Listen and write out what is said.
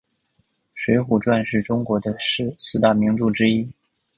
水浒传是中国的四大名著之一。